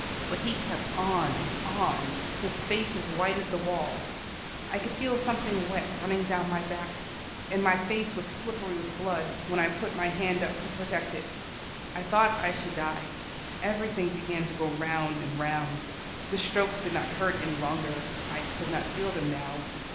But he kept on and on, his face as white as the wall. I could feel something wet running down my back, and my face was slippery with blood, when I put up my hand to protect it. I thought I should die; everything began to go round and round. The strokes did not hurt any longer; I could not feel them now.